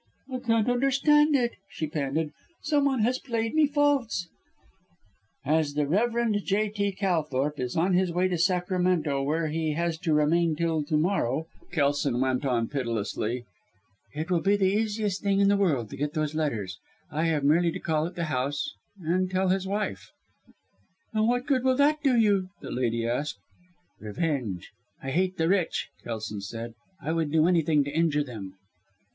"I can't understand it," she panted; "somebody has played me false." "As the Rev. J.T. Calthorpe is on his way to Sacramento, where he has to remain till to morrow," Kelson went on pitilessly, "it will be the easiest thing in the world to get those letters. I have merely to call at the house and tell his wife." "And what good will that do you?" the lady asked. "Revenge! I hate the rich," Kelson said. "I would do anything to injure them."